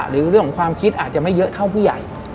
หรือเรื่องของความคิดอาจจะไม่เยอะเท่าผู้ใหญ่